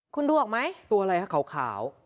คุณดวกมั้ยตัวอะไรค่ะขาว